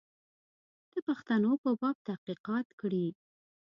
د پښتنو په باب تحقیقات کړي.